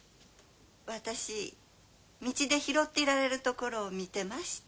私道で拾っていられるところを見てました。